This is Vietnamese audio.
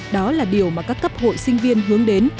đó là điều mà các cấp hội sinh viên hướng đến